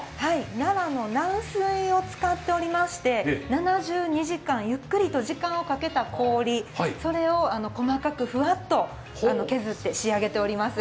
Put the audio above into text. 奈良の軟水を使っておりまして７２時間ゆっくりと時間をかけた氷、それを細かくふわっと削って仕上げております。